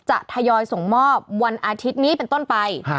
ทยอยส่งมอบวันอาทิตย์นี้เป็นต้นไป